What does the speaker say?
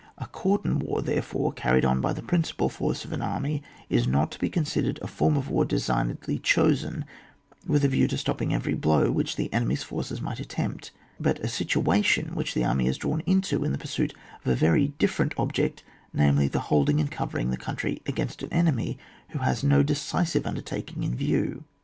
A cordon war, therefore, carried on by the principal force of an army, is not to be considered a form of war designedly chosen with a view to stopping every blow which the enemy's forces might attempt, but a situation which the army is drawn into in the pursuit of a very different object, namely, the holding and covering tJie country against an enemy who has no decisive undertaking in view.